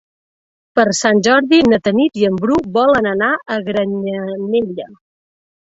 Per Sant Jordi na Tanit i en Bru volen anar a Granyanella.